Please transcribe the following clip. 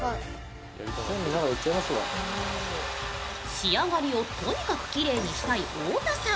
仕上がりをとにかくきれいにしたい太田さん。